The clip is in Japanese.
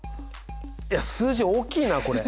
いや数字大きいなこれ。